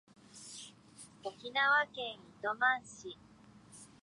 沖縄県糸満市